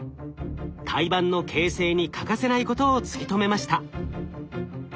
胎盤の形成に欠かせないことを突き止めました。